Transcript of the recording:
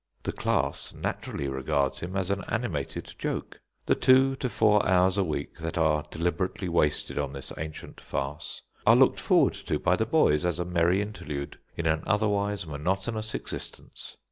The class naturally regards him as an animated joke. The two to four hours a week that are deliberately wasted on this ancient farce, are looked forward to by the boys as a merry interlude in an otherwise monotonous existence.